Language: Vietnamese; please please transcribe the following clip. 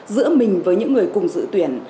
giữa mình với những người cùng dự tuyển